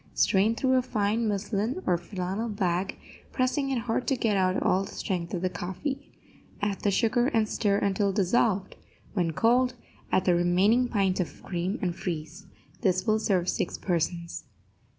Strain through a fine muslin or flannel bag, pressing it hard to get out all the strength of the coffee. Add the sugar and stir until dissolved; when cold, add the remaining pint of cream and freeze. This will serve six persons.